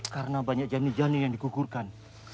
karena banyak janin janin yang digugurkan